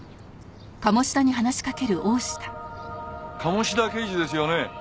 鴨志田刑事ですよね？